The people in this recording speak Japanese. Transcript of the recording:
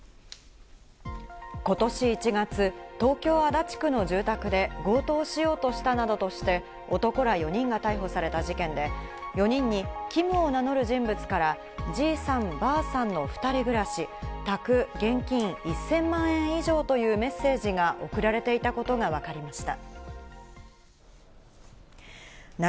今年１月、東京・足立区の住宅で強盗をしようとしたなどとして、男ら４人が逮捕された事件で、４人にキムを名乗る人物から、「爺さん、婆さんの２人暮らし宅現金１０００万円以上」というメッセージが送られていたことがわかりました。